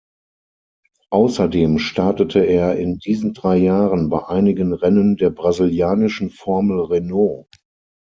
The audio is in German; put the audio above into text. Außerdem startete er in diesen drei Jahren bei einigen Rennen der brasilianischen Formel Renault.